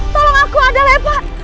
tolong aku ada lepa